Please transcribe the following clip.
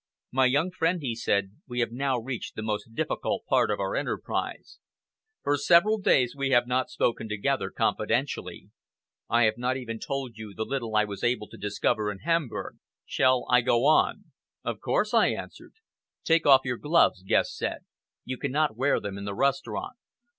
"My young friend," he said, "we have now reached the most difficult part of our enterprise. For several days we have not spoken together confidentially. I have not even told you the little I was able to discover in Hamburg. Shall I go on?" "Of course," I answered. "Take off your gloves," Guest said. "You cannot wear them in the restaurant.